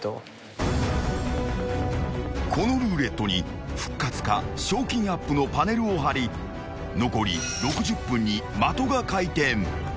［このルーレットに復活か賞金アップのパネルをはり残り６０分に的が回転］